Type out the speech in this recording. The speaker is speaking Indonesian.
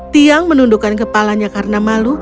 tiang menundukkan kepalanya karena malu